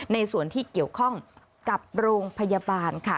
ในส่วนที่เกี่ยวข้องกับโรงพยาบาลค่ะ